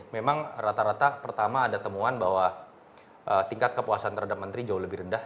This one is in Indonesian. memang rata rata pertama ada temuan bahwa tingkat kepuasan terhadap menteri jauh lebih rendah